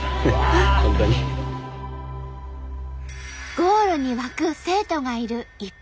ゴールに沸く生徒がいる一方で。